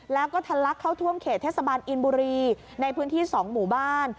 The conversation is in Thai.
แล้วก็ทะลักเข้าท่วมเขตเทศบาลอินบุรีในพื้นที่๒หมู่บ้าน